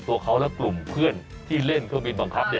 ตัวเขาและกลุ่มเพื่อนที่เล่นเครื่องบินบังคับ